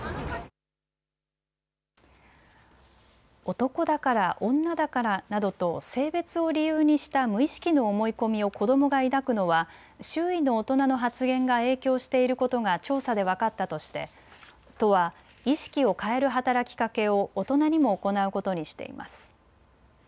男だから女だからなどと性別を理由にした無意識の思い込みを子どもが抱くのは周囲の大人の発言が影響していることが調査で分かったとして都は意識を変える働きかけを大人にも行うことにしています。